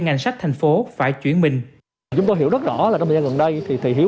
ngành sách thành phố phải chuyển mình chúng tôi hiểu rất rõ là trong thời gian gần đây thì thể hiện